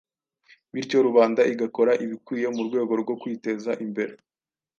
bityo rubanda igakora ibikwiye mu rwego rwo kwiteza imbere.